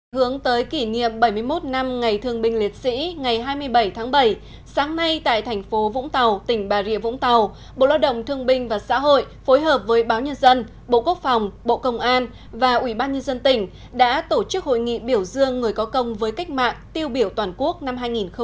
hướng tới kỷ niệm bảy mươi một năm ngày thương binh liệt sĩ ngày hai mươi bảy tháng bảy sáng nay tại thành phố vũng tàu tỉnh bà rịa vũng tàu bộ lao động thương binh và xã hội phối hợp với báo nhân dân bộ quốc phòng bộ công an và ủy ban nhân dân tỉnh đã tổ chức hội nghị biểu dương người có công với cách mạng tiêu biểu toàn quốc năm hai nghìn một mươi chín